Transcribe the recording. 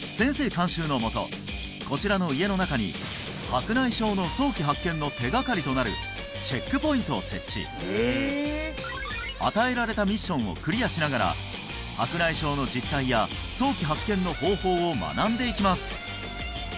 監修のもとこちらの家の中に白内障の早期発見の手がかりとなるチェックポイントを設置与えられたミッションをクリアしながら白内障の実態や早期発見の方法を学んでいきます